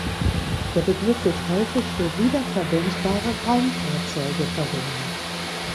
Der Begriff wird häufig für wiederverwendbare Raumfahrzeuge verwendet.